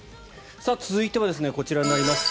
続いてはこちらになります。